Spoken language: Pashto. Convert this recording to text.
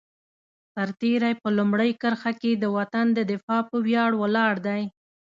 سرتېری په لومړۍ کرښه کې د وطن د دفاع په ویاړ ولاړ دی.